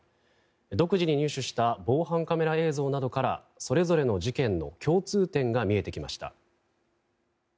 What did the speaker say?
独自に入手した防犯カメラ映像などからそれぞれの事件の共通点が見えてきました。